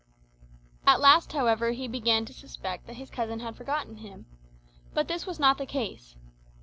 At last, however, he began to suspect that his cousin had forgotten him. But this was not the case.